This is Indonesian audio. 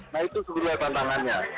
nah itu kedua tantangannya